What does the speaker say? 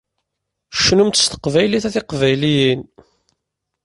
Cnumt s teqbaylit a tiqbayliyin!